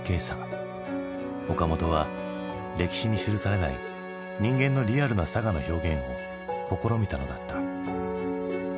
岡本は歴史に記されない人間のリアルなさがの表現を試みたのだった。